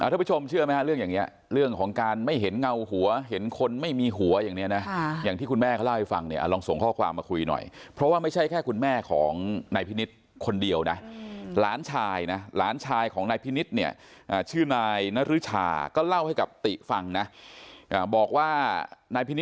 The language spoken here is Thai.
ทุกผู้ชมเชื่อไหมฮะเรื่องอย่างนี้เรื่องของการไม่เห็นเงาหัวเห็นคนไม่มีหัวอย่างนี้นะอย่างที่คุณแม่เขาเล่าให้ฟังเนี่ยลองส่งข้อความมาคุยหน่อยเพราะว่าไม่ใช่แค่คุณแม่ของนายพินิษฐ์คนเดียวนะหลานชายนะหลานชายของนายพินิษฐ์เนี่ยชื่อนายนรึชาก็เล่าให้กับติฟังนะบอกว่านายพินิ